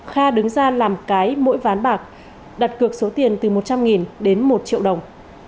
kha đứng ra làm cái mỗi ván bạc đặt cược số tiền từ một trăm linh đến một triệu đồng